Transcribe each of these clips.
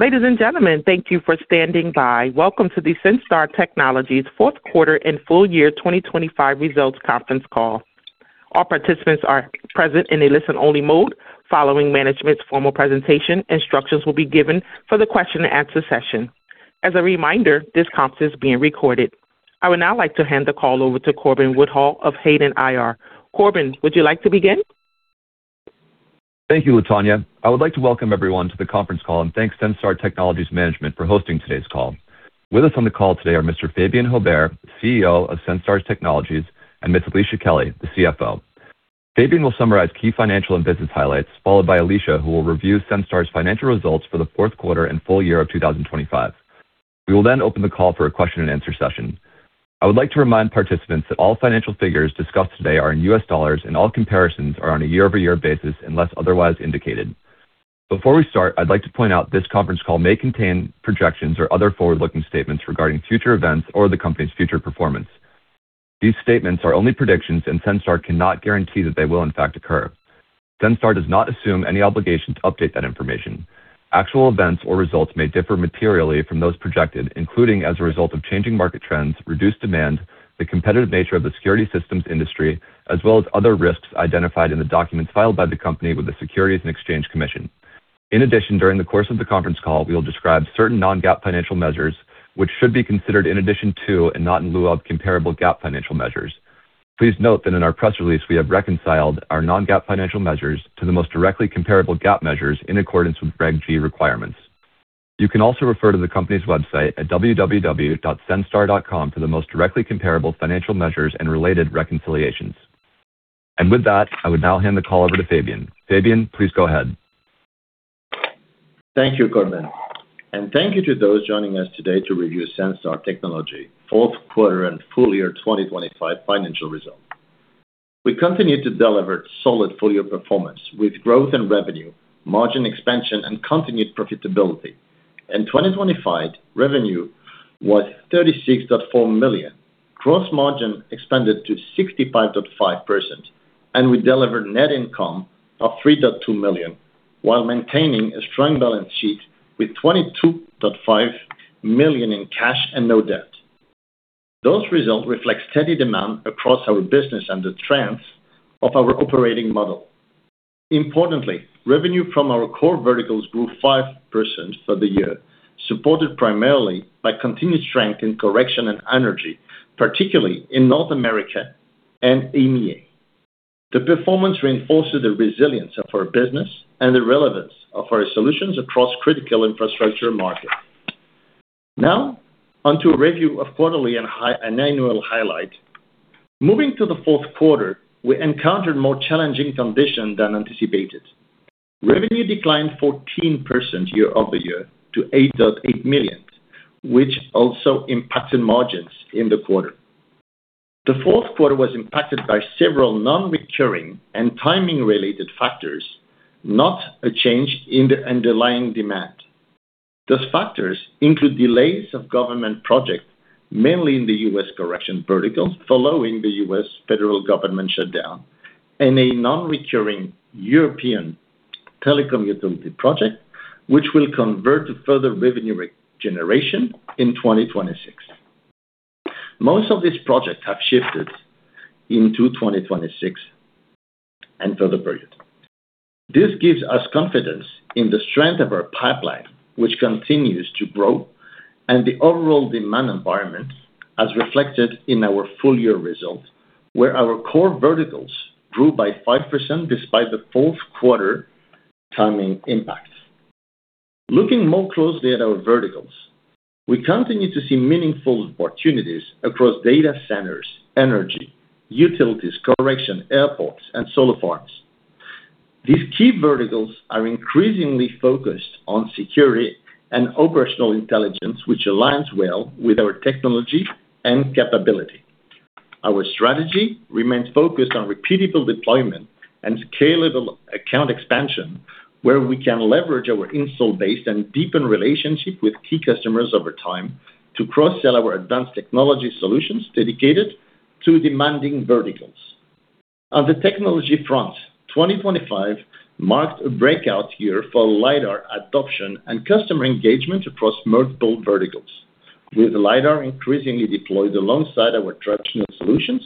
Ladies and gentlemen, thank you for standing by. Welcome to the Senstar Technologies fourth quarter and full year 2025 results conference call. All participants are present in a listen-only mode. Following management's formal presentation, instructions will be given for the question-and-answer session. As a reminder, this conference is being recorded. I would now like to hand the call over to Corbin Woodhull of Hayden IR. Corbin, would you like to begin? Thank you, Latonya. I would like to welcome everyone to the conference call and thank Senstar Technologies management for hosting today's call. With us on the call today are Mr. Fabien Haubert, CEO of Senstar Technologies, and Ms. Alicia Kelly, the CFO. Fabien will summarize key financial and business highlights, followed by Alicia, who will review Senstar's financial results for the fourth quarter and full year of 2025. We will then open the call for a question-and-answer session. I would like to remind participants that all financial figures discussed today are in U.S. Dollars, and all comparisons are on a year-over-year basis unless otherwise indicated. Before we start, I'd like to point out this conference call may contain projections or other forward-looking statements regarding future events or the company's future performance. These statements are only predictions, and Senstar cannot guarantee that they will in fact occur. Senstar does not assume any obligation to update that information. Actual events or results may differ materially from those projected, including as a result of changing market trends, reduced demand, the competitive nature of the security systems industry, as well as other risks identified in the documents filed by the company with the Securities and Exchange Commission. In addition, during the course of the conference call, we will describe certain non-GAAP financial measures, which should be considered in addition to and not in lieu of comparable GAAP financial measures. Please note that in our press release, we have reconciled our non-GAAP financial measures to the most directly comparable GAAP measures in accordance with Regulation G requirements. You can also refer to the company's website at www.senstar.com for the most directly comparable financial measures and related reconciliations. With that, I would now hand the call over to Fabien. Fabien, please go ahead. Thank you, Corbin, and thank you to those joining us today to review Senstar Technologies fourth quarter and full year 2025 financial results. We continued to deliver solid full-year performance with growth in revenue, margin expansion, and continued profitability. In 2025, revenue was $36.4 million. Gross margin expanded to 65.5%, and we delivered net income of $3.2 million while maintaining a strong balance sheet with $22.5 million in cash and no debt. Those results reflect steady demand across our business and the trends of our operating model. Importantly, revenue from our core verticals grew 5% for the year, supported primarily by continued strength in correction and energy, particularly in North America and EMEA. The performance reinforces the resilience of our business and the relevance of our solutions across critical infrastructure markets. Now on to a review of quarterly and annual highlights. Moving to the fourth quarter, we encountered more challenging conditions than anticipated. Revenue declined 14% year-over-year to $8.8 million, which also impacted margins in the quarter. The fourth quarter was impacted by several non-recurring and timing-related factors, not a change in the underlying demand. Those factors include delays of government projects, mainly in the U.S. corrections vertical following the U.S. federal government shutdown, and a non-recurring European telecom utility project, which will convert to further revenue generation in 2026. Most of these projects have shifted into 2026 and further periods. This gives us confidence in the strength of our pipeline, which continues to grow, and the overall demand environment as reflected in our full-year results, where our core verticals grew by 5% despite the fourth quarter timing impacts. Looking more closely at our verticals, we continue to see meaningful opportunities across data centers, energy, utilities, corrections, airports, and solar farms. These key verticals are increasingly focused on security and operational intelligence, which aligns well with our technology and capability. Our strategy remains focused on repeatable deployment and scalable account expansion, where we can leverage our installed base and deepen relationships with key customers over time to cross-sell our advanced technology solutions dedicated to demanding verticals. On the technology front, 2025 marked a breakout year for Lidar adoption and customer engagement across multiple verticals, with Lidar increasingly deployed alongside our traditional solutions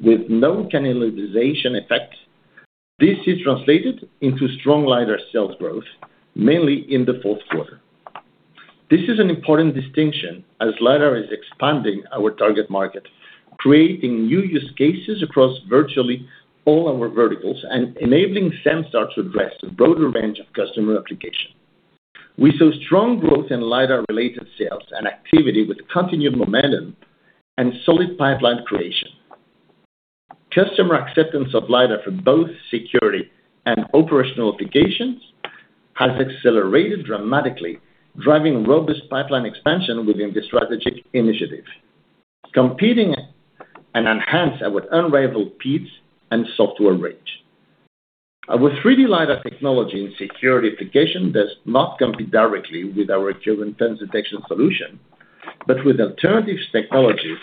with no cannibalization effects. This is translated into strong Lidar sales growth, mainly in the fourth quarter. This is an important distinction as Lidar is expanding our target market, creating new use cases across virtually all our verticals and enabling Senstar to address a broader range of customer applications. We saw strong growth in Lidar-related sales and activity with continued momentum and solid pipeline creation. Customer acceptance of Lidar for both security and operational applications has accelerated dramatically, driving robust pipeline expansion within the strategic initiative, competing and enhancing our unrivaled PIDS and software range. Our 3D Lidar technology and security application does not compete directly with our current fence detection solution with alternative technologies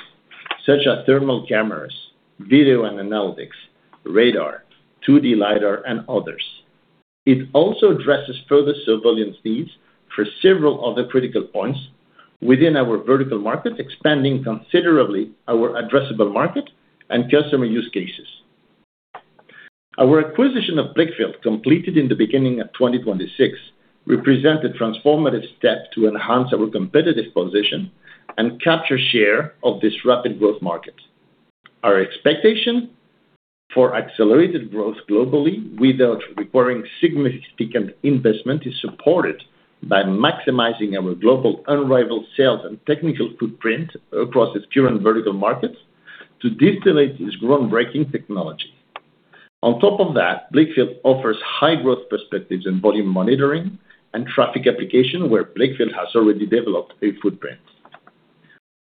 such as thermal cameras, video and analytics, radar, 2D Lidar, and others. It also addresses further surveillance needs for several other critical points within our vertical market, expanding considerably our addressable market and customer use cases. Our acquisition of Blickfeld, completed in the beginning of 2026, represented a transformative step to enhance our competitive position and capture a share of this rapid growth market. Our expectation for accelerated growth globally without requiring significant investment is supported by maximizing our global unrivaled sales and technical footprint across its current vertical markets to disseminate this groundbreaking technology. On top of that, Blickfeld offers high growth perspectives in volume monitoring and traffic application, where Blickfeld has already developed a footprint.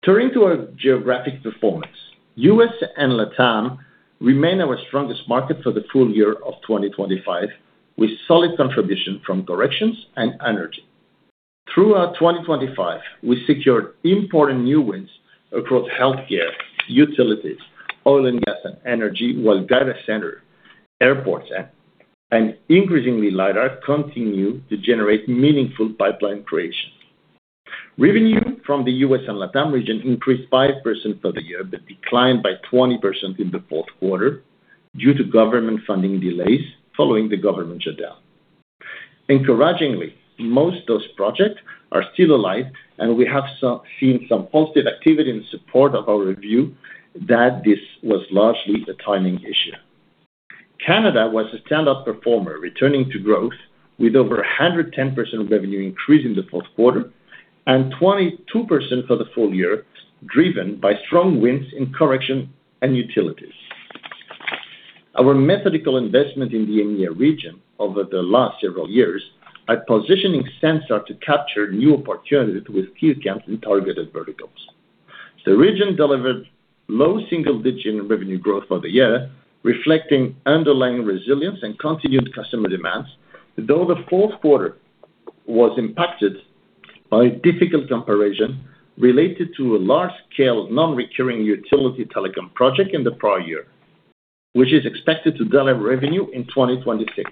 Turning to our geographic performance, U.S. and LATAM remain our strongest markets for the full year of 2025, with solid contribution from corrections and energy. Throughout 2025, we secured important new wins across healthcare, utilities, oil and gas, and energy, while data centers, airports, and increasingly Lidar continue to generate meaningful pipeline creation. Revenue from the U.S. and LATAM region increased 5% for the year, but declined by 20% in the fourth quarter due to government funding delays following the government shutdown. Encouragingly, most of those projects are still alive, and we have seen some positive activity in support of our review that this was largely a timing issue. Canada was a standout performer, returning to growth with over 110% revenue increase in the fourth quarter, and 22% for the full year, driven by strong wins in correction and utilities. Our methodical investment in the EMEA region over the last several years are positioning Senstar to capture new opportunities with key accounts in targeted verticals. The region delivered low single-digit revenue growth for the year, reflecting underlying resilience and continued customer demands. Though the fourth quarter was impacted by a difficult comparison related to a large-scale, non-recurring utility telecom project in the prior year, which is expected to deliver revenue in 2026.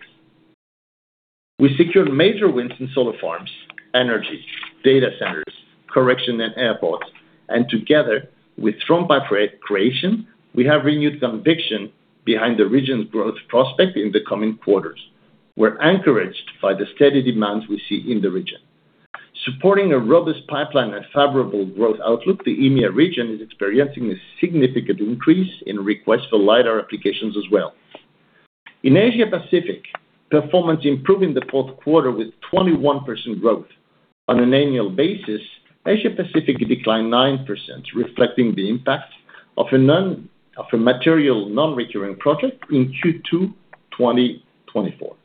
We secured major wins in solar farms, energy, data centers, corrections and airports, and together with strong pipeline creation, we have renewed conviction behind the region's growth prospects in the coming quarters. We're encouraged by the steady demand we see in the region. Supporting a robust pipeline and favorable growth outlook, the EMEA region is experiencing a significant increase in requests for Lidar applications as well. In Asia-Pacific, performance improved in the fourth quarter with 21% growth. On an annual basis, Asia-Pacific declined 9%, reflecting the impact of a material, non-recurring project in Q2 2024.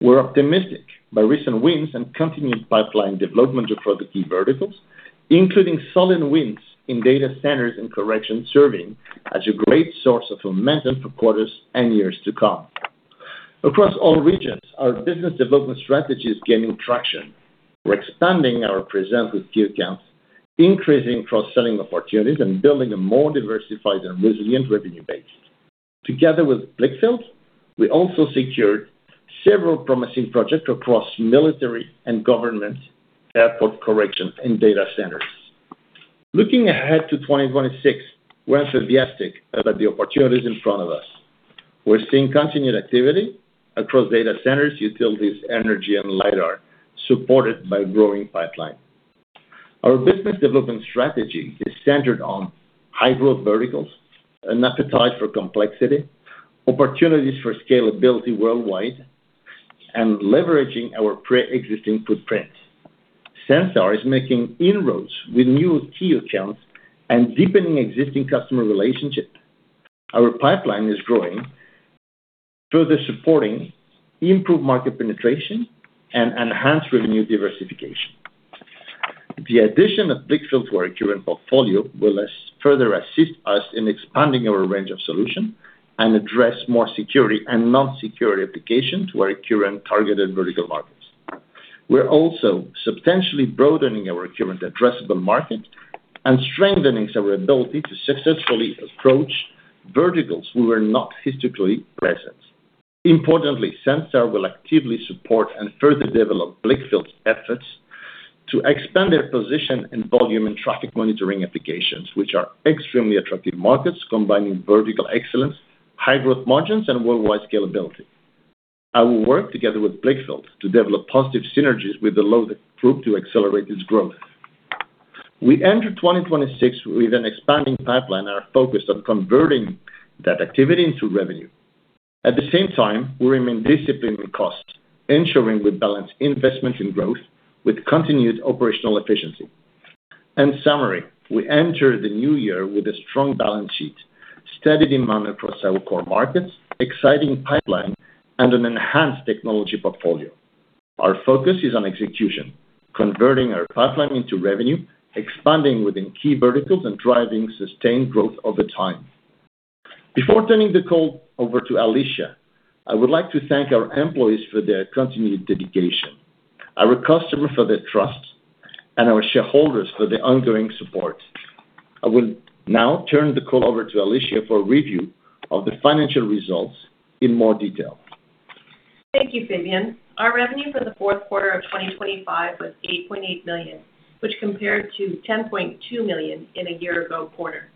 We're optimistic about recent wins and continued pipeline development across the key verticals, including solid wins in data centers and construction serving as a great source of momentum for quarters and years to come. Across all regions, our business development strategy is gaining traction. We're expanding our presence with key accounts, increasing cross-selling opportunities, and building a more diversified and resilient revenue base. Together with Blickfeld, we also secured several promising projects across military and government, airport construction, and data centers. Looking ahead to 2026, we're enthusiastic about the opportunities in front of us. We're seeing continued activity across data centers, utilities, energy and Lidar, supported by growing pipeline. Our business development strategy is centered on high-growth verticals, an appetite for complexity, opportunities for scalability worldwide, and leveraging our pre-existing footprints. Senstar is making inroads with new key accounts and deepening existing customer relationships. Our pipeline is growing, further supporting improved market penetration and enhanced revenue diversification. The addition of Blickfeld to our current portfolio will further assist us in expanding our range of solutions and address more security and non-security applications to our current targeted vertical markets. We're also substantially broadening our current addressable market and strengthening our ability to successfully approach verticals we were not historically present in. Importantly, Senstar will actively support and further develop Blickfeld's efforts to expand their position in volume and traffic monitoring applications, which are extremely attractive markets, combining vertical excellence, high growth margins, and worldwide scalability. I will work together with Blickfeld to develop positive synergies with the Senstar group to accelerate its growth. We enter 2026 with an expanding pipeline and are focused on converting that activity into revenue. At the same time, we remain disciplined with cost, ensuring we balance investment and growth with continued operational efficiency. In summary, we enter the new year with a strong balance sheet, steady demand across our core markets, exciting pipeline, and an enhanced technology portfolio. Our focus is on execution, converting our pipeline into revenue, expanding within key verticals, and driving sustained growth over time. Before turning the call over to Alicia, I would like to thank our employees for their continued dedication, our customers for their trust, and our shareholders for their ongoing support. I will now turn the call over to Alicia for a review of the financial results in more detail. Thank you, Fabien. Our revenue for the fourth quarter of 2025 was $8.8 million, which compared to $10.2 million in a year-ago quarter.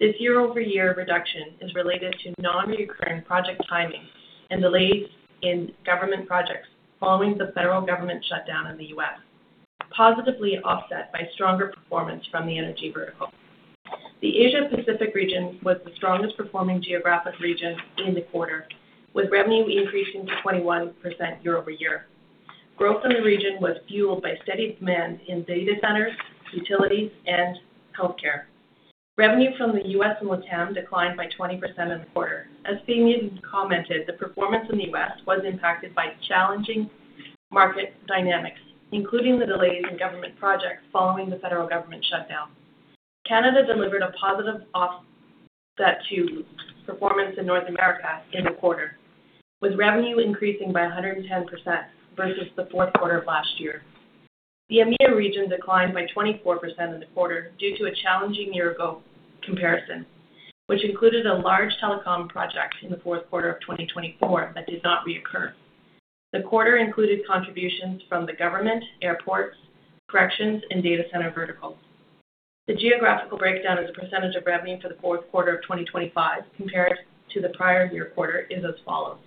This year-over-year reduction is related to non-recurring project timing and delays in government projects following the federal government shutdown in the U.S., positively offset by stronger performance from the energy vertical. The Asia Pacific region was the strongest performing geographic region in the quarter, with revenue increasing 21% year-over-year. Growth in the region was fueled by steady demand in data centers, utilities, and healthcare. Revenue from the U.S. and LATAM declined by 20% in the quarter. As Fabien commented, the performance in the U.S. was impacted by challenging market dynamics, including the delays in government projects following the federal government shutdown. Canada delivered a positive offset to performance in North America in the quarter, with revenue increasing by 110% versus the fourth quarter of last year. The EMEA region declined by 24% in the quarter due to a challenging year-ago comparison, which included a large telecom project in the fourth quarter of 2024 that did not reoccur. The quarter included contributions from the government, airports, corrections, and data center verticals. The geographical breakdown as a percentage of revenue for the fourth quarter of 2025 compared to the prior year quarter is as follows,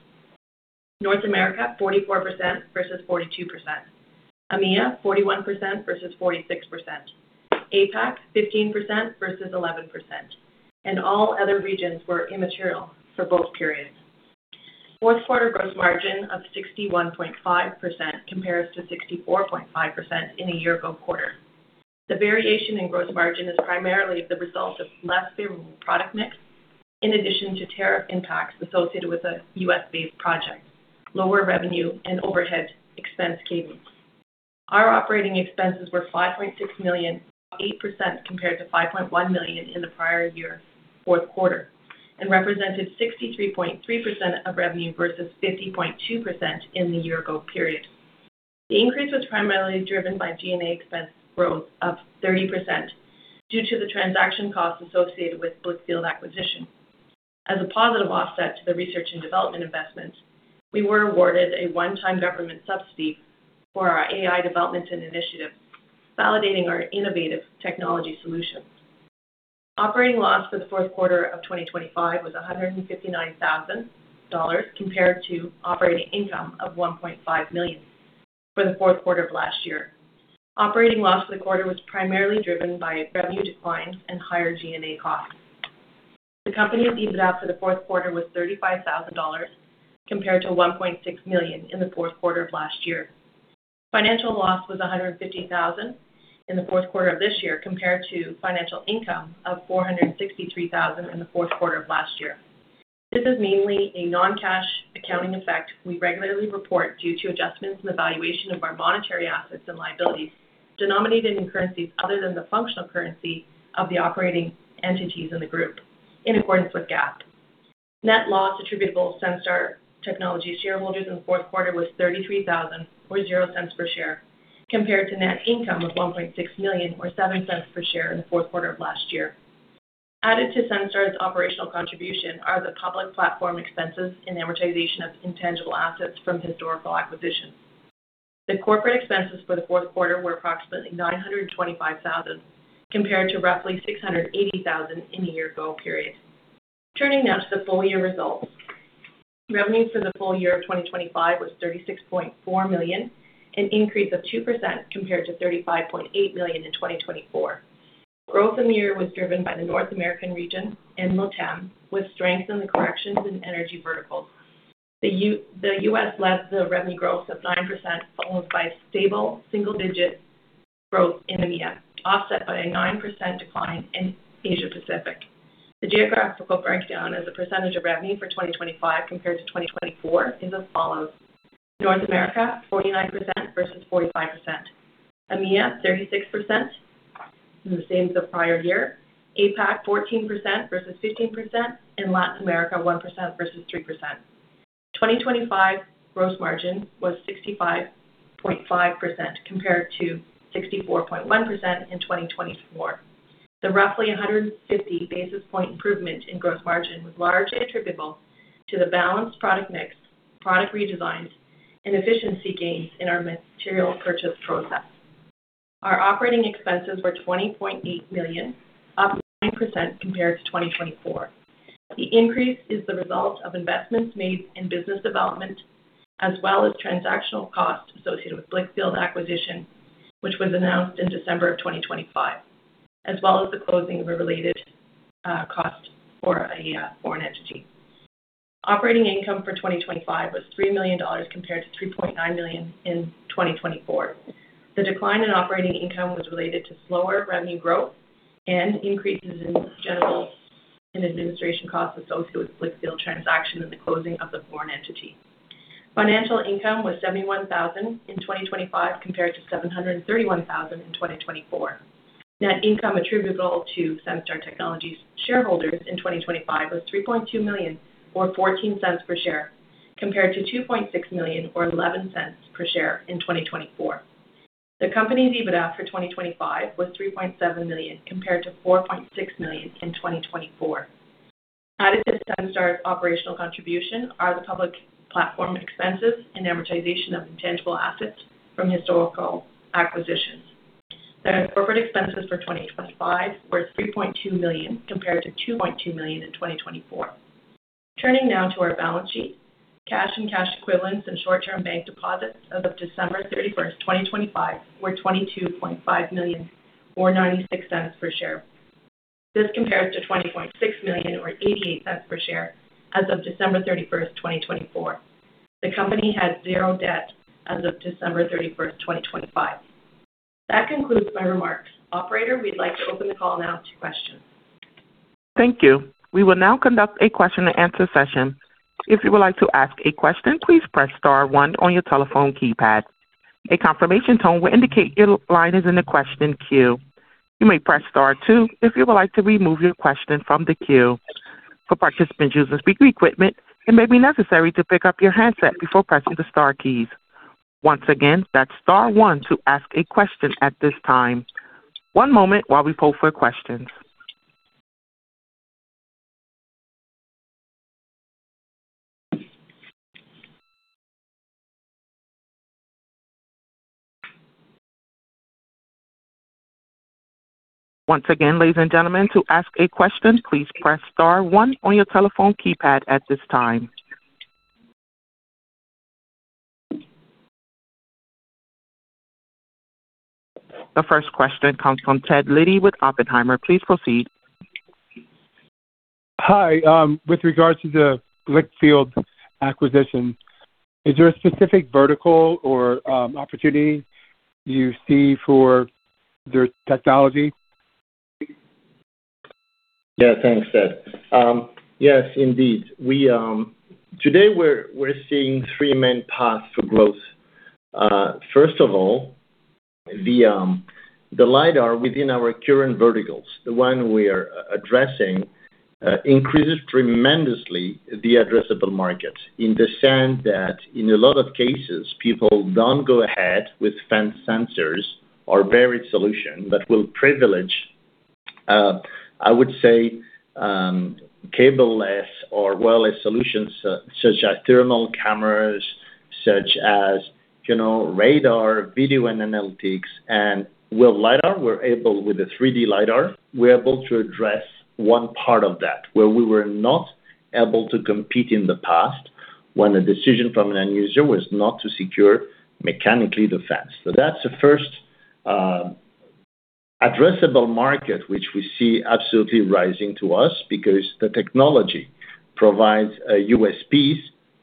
North America, 44% versus 42%, EMEA, 41% versus 46%, APAC, 15% versus 11%, and all other regions were immaterial for both periods. Fourth quarter gross margin of 61.5% compares to 64.5% in a year-ago quarter. The variation in gross margin is primarily the result of less favorable product mix in addition to tariff impacts associated with a U.S.-based project, lower revenue, and overhead expense savings. Our operating expenses were $5.6 million, up 8% compared to $5.1 million in the prior year fourth quarter, and represented 63.3% of revenue versus 50.2% in the year-ago period. The increase was primarily driven by G&A expense growth of 30% due to the transaction costs associated with Blickfeld acquisition. As a positive offset to the research and development investments, we were awarded a one-time government subsidy for our AI development and initiative, validating our innovative technology solutions. Operating loss for the fourth quarter of 2025 was $159,000 compared to operating income of $1.5 million for the fourth quarter of last year. Operating loss for the quarter was primarily driven by revenue declines and higher G&A costs. The company's EBITDA for the fourth quarter was $35,000, compared to $1.6 million in the fourth quarter of last year. Financial loss was $150,000 in the fourth quarter of this year, compared to financial income of $463,000 in the fourth quarter of last year. This is mainly a non-cash accounting effect we regularly report due to adjustments in the valuation of our monetary assets and liabilities denominated in currencies other than the functional currency of the operating entities in the group, in accordance with GAAP. Net loss attributable to Senstar Technologies shareholders in the fourth quarter was $33,000, or $0.00 per share, compared to net income of $1.6 million, or $0.07 per share in the fourth quarter of last year. Added to Senstar's operational contribution are the public platform expenses and amortization of intangible assets from historical acquisitions. The corporate expenses for the fourth quarter were approximately $925,000, compared to roughly $680,000 in the year-ago period. Turning now to the full year results. Revenue for the full year of 2025 was $36.4 million, an increase of 2% compared to $35.8 million in 2024. Growth in the year was driven by the North American region and LATAM, with strength in the corrections and energy verticals. The U.S. led the revenue growth of 9%, followed by stable single-digit growth in EMEA, offset by a 9% decline in Asia Pacific. The geographical breakdown as a percentage of revenue for 2025 compared to 2024 is as follows. North America, 49% versus 45%, EMEA 36%, the same as the prior year, APAC 14% versus 15%, and Latin America 1% versus 3%. 2025 gross margin was 65.5% compared to 64.1% in 2024. The roughly 150 basis point improvement in gross margin was largely attributable to the balanced product mix, product redesigns, and efficiency gains in our material purchase process. Our operating expenses were $20.8 million, up 9% compared to 2024. The increase is the result of investments made in business development, as well as transactional costs associated with Blickfeld acquisition, which was announced in December of 2025, as well as the closing of a related cost for a foreign entity. Operating income for 2025 was $3 million compared to $3.9 million in 2024. The decline in operating income was related to slower revenue growth and increases in general and administration costs associated with Blickfeld transaction and the closing of the foreign entity. Financial income was $71,000 in 2025, compared to $731,000 in 2024. Net income attributable to Senstar Technologies shareholders in 2025 was $3.2 million, or $0.14 per share, compared to $2.6 million or $0.11 per share in 2024. The company's EBITDA for 2025 was $3.7 million, compared to $4.6 million in 2024. Added to Senstar's operational contribution are the public platform expenses and amortization of intangible assets from historical acquisitions. The corporate expenses for 2025 were $3.2 million, compared to $2.2 million in 2024. Turning now to our balance sheet. Cash and cash equivalents and short-term bank deposits as of December 31st, 2025, were $22.5 million, or $0.96 per share. This compares to $20.6 million or $0.88 per share as of December 31st, 2024. The company had zero debt as of December 31st, 2025. That concludes my remarks. Operator, we'd like to open the call now to questions. Thank you. We will now conduct a question-and-answer session. If you would like to ask a question, please press star one on your telephone keypad. A confirmation tone will indicate your line is in the question queue. You may press star two if you would like to remove your question from the queue. For participants using speaker equipment, it may be necessary to pick up your handset before pressing the star keys. Once again, that's star one to ask a question at this time. One moment while we poll for questions. Once again, ladies and gentlemen, to ask a question, please press star one on your telephone keypad at this time. The first question comes from Ted Liddy with Oppenheimer. Please proceed. Hi. With regards to the Blickfeld acquisition, is there a specific vertical or opportunity you see for their technology? Yeah. Thanks, Ted. Yes, indeed. Today, we're seeing three main paths for growth. First of all, the Lidar within our current verticals, the one we are addressing, increases tremendously the addressable market in the sense that in a lot of cases, people don't go ahead with fence sensors or video solution that will prioritize, I would say, cable-less or wireless solutions such as thermal cameras, such as radar, video and analytics, and with Lidar, with the 3D Lidar, we're able to address one part of that where we were not able to compete in the past when a decision from an end user was not to secure mechanically the fence. So that's the first addressable market which we see absolutely rising to us because the technology provides USPs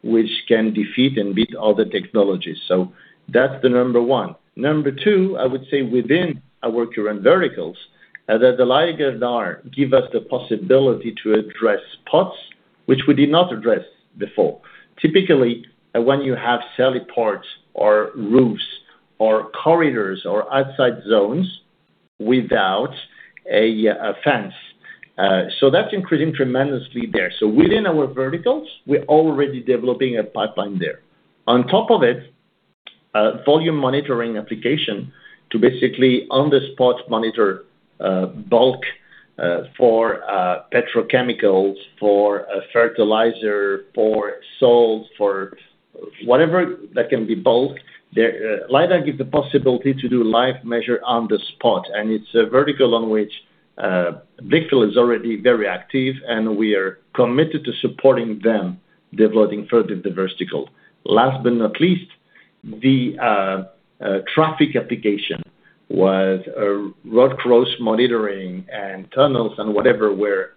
which can defeat and beat other technologies. So that's the number one. Nu, I would say within our current verticals that the Lidar give us the possibility to address parts which we did not address before. Typically, when you have silo parts or roofs or corridors or outside zones without a fence. That's increasing tremendously there. Within our verticals, we're already developing a pipeline there. On top of it, volume monitoring application to basically on the spot monitor bulk for petrochemicals, for fertilizer, for salt, for whatever that can be bulk. Lidar give the possibility to do live measure on the spot, and it's a vertical on which Blickfeld is already very active, and we are committed to supporting them, developing further the vertical. Last but not least, the traffic application was road cross-monitoring and tunnels and whatever, where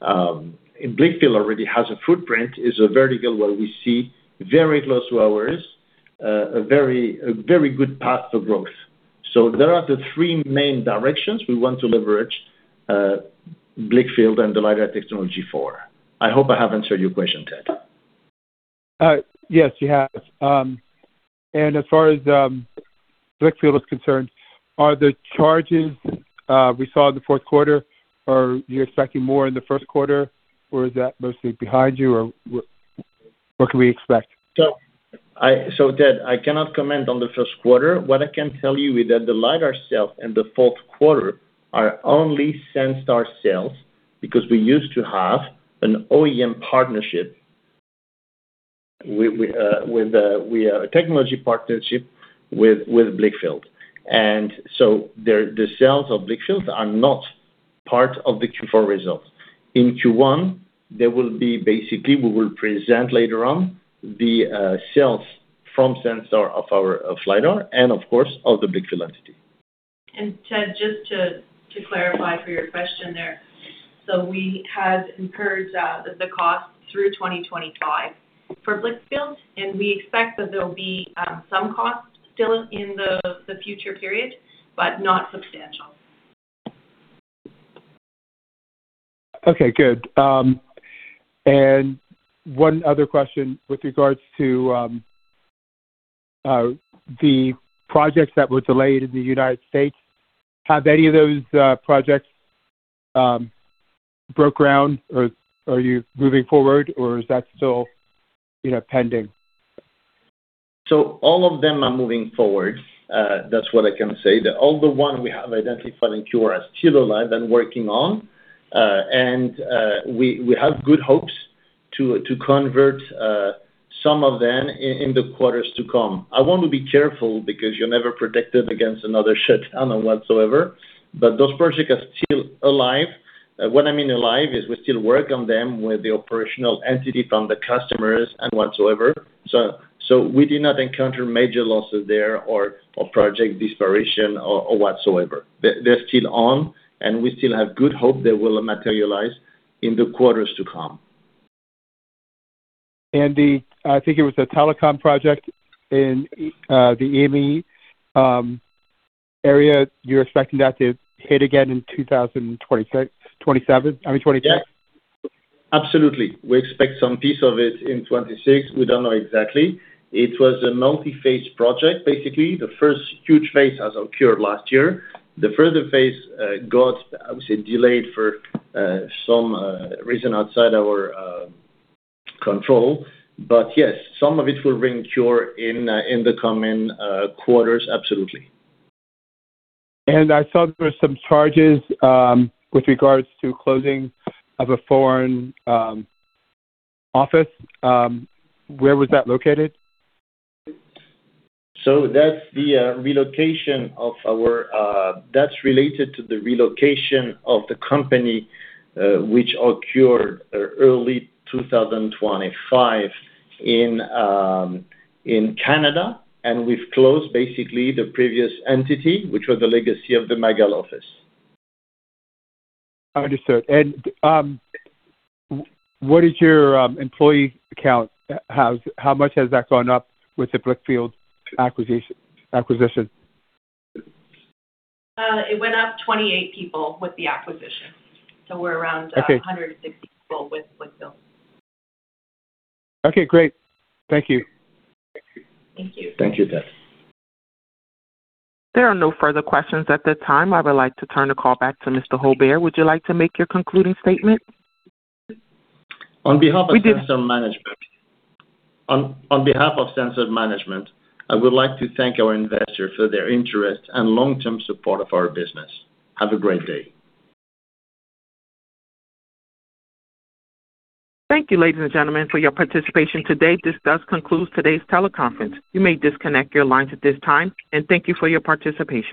Blickfeld already has a footprint, is a vertical where we see very close to ours, a very good path to growth. There are the three main directions we want to leverage Blickfeld and the Lidar technology for. I hope I have answered your question, Ted. Yes, you have. As far as Blickfeld is concerned, are the charges we saw in the fourth quarter, are you expecting more in the first quarter or is that mostly behind you or what can we expect? Ted, I cannot comment on the first quarter. What I can tell you is that the Lidar itself in the fourth quarter are only Senstar sales because we used to have an OEM partnership with a technology partnership with Blickfeld. The sales of Blickfeld are not part of the Q4 results. In Q1, there will be basically, we will present later on the sales from Senstar of Lidar and of course of the Blickfeld entity. Ted, just to clarify for your question there. We had incurred the cost through 2025 for Blickfeld, and we expect that there'll be some cost still in the future period, but not substantial. Okay, good. One other question with regards to the projects that were delayed in the United States. Have any of those projects broke ground or are you moving forward or is that still pending? All of them are moving forward. That's what I can say. All the ones we have identified in Q are still alive and working on. We have good hopes to convert some of them in the quarters to come. I want to be careful because you're never protected against another shutdown whatsoever, but those projects are still alive. What I mean alive is we still work on them with the operational entity from the customers and whatsoever. We did not encounter major losses there or project disparition or whatsoever. They're still on, and we still have good hope they will materialize in the quarters to come. I think it was a telecom project in the EMEA area, you're expecting that to hit again in 2027? I mean 2026. Yes. Absolutely. We expect some piece of it in 2026. We don't know exactly. It was a multi-phase project, basically the first huge phase as of Q last year. The further phase got, obviously, delayed for some reason outside our control. Yes, some of it will ring Q in the coming quarters. Absolutely. I saw there were some charges with regards to closing of a foreign office. Where was that located? That's related to the relocation of the company which occurred early 2025 in Canada. We've closed basically the previous entity, which was the legacy of the Magal office. Understood. What is your employee count? How much has that gone up with the Blickfeld acquisition? It went up 28 people with the acquisition. We're around 160 people with Blickfeld. Okay, great. Thank you. Thank you. Thank you, Ted. There are no further questions at this time. I would like to turn the call back to Mr. Haubert. Would you like to make your concluding statement? On behalf of Senstar management, I would like to thank our investors for their interest and long-term support of our business. Have a great day. Thank you, ladies and gentlemen, for your participation today. This does conclude today's teleconference. You may disconnect your lines at this time, and thank you for your participation.